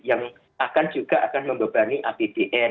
yang akan juga akan membebani apbn